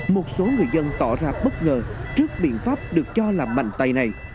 một số người dân tỏ ra bất ngờ trước biện pháp được cho làm mạnh tay này